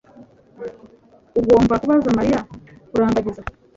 Ugomba kubaza Mariya kurambagiza.